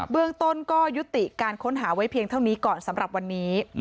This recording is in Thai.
เรื่องต้นก็ยุติการค้นหาไว้เพียงเท่านี้ก่อนสำหรับวันนี้